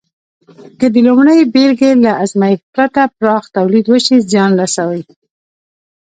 که د لومړۍ بېلګې له ازمېښت پرته پراخ تولید وشي، زیان رسوي.